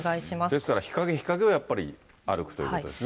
ですから日陰、日陰をやっぱり歩くということですね。